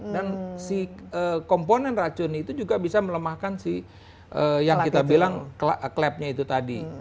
dan si komponen racun itu juga bisa melemahkan si yang kita bilang klepnya itu tadi